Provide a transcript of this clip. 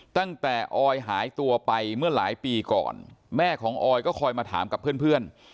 ตั้งแต่ออยหายตัวไปเมื่อหลายปีก่อนแม่ของออยก็คอยมาถามกับเพื่อน